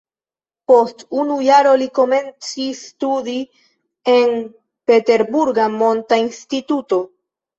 Post unu jaro li komencis studi en peterburga monta instituto.